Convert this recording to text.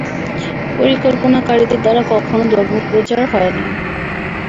পরিকল্পনাকারীদের দ্বারা কখনও ধর্মপ্রচার হয় নাই।